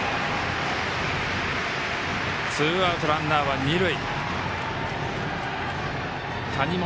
ツーアウト、ランナーは二塁。